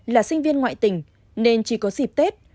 là sinh viên ngoại tỉnh nên chỉ có dịp tết